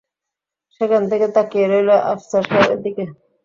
সেখান থেকে তাকিয়ে রইল আফসার সাহেবের দিকে।